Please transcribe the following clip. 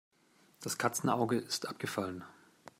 Das Katzenauge ist abgefallen.